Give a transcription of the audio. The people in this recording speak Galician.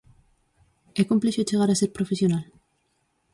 É complexo chegar a ser profesional?